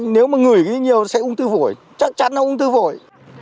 nếu mà ngửi cái nhiều sẽ ung tư vội chắc chắn là ung tư vội